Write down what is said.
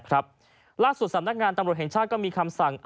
ล่าสุดสำนักงานตำรวจแห่งชาติก็มีคำสั่ง